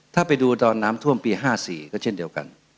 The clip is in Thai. ถ้าไปดูตอนน้ำท่วมปี๕๔ก็เช่นเดียวกัน